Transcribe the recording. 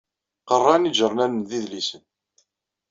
Qerran ijernanen d idlisen.